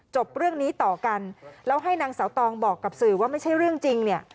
จบเรื่องนี้ต่อกันแล้วให้นางเสาตองบอกกับสื่อว่าไม่ใช่เรื่องจริงเนี่ย